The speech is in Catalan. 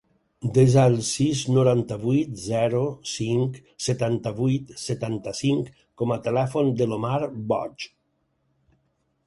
Desa el sis, noranta-vuit, zero, cinc, setanta-vuit, setanta-cinc com a telèfon de l'Omar Boj.